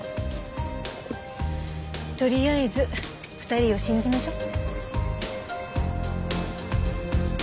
とりあえず２人を信じましょう。